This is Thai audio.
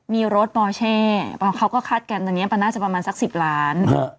มีรถบอเช่เขาก็คัดแก่นตรงนี้ประมาณสัก๑๐ล้าน